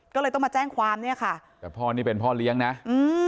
ก็เลยต้องมาแจ้งความเนี้ยค่ะแต่พ่อนี่เป็นพ่อเลี้ยงนะอืม